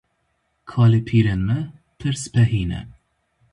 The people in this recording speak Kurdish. Kalepîrên me pir spehî ne.